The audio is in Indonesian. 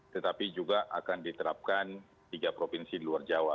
tetapi juga akan diterapkan tiga provinsi di luar jawa